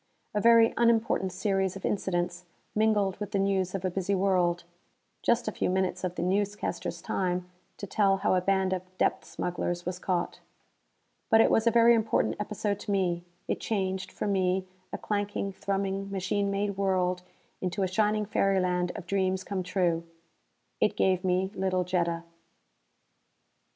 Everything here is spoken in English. A very unimportant series of incidents mingled with the news of a busy world just a few minutes of the newscasters' time to tell how a band of depth smugglers was caught. But it was a very important episode to me. It changed, for me, a clanking, thrumming machine made world into a shining fairyland of dreams come true. It gave me little Jetta.